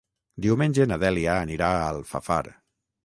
Diumenge na Dèlia anirà a Alfafar.